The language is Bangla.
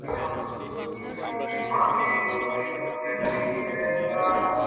পরে তাঁদের দেওয়া তথ্যমতে পারভেজকে কাঁচপুরের সেনপাড়া বস্তি থেকে ধরা হয়।